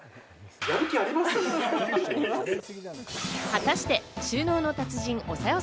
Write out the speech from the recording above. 果たして収納の達人、おさよ